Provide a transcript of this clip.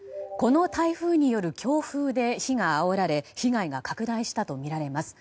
この台風による強風で火があおられ被害が拡大したとみられます。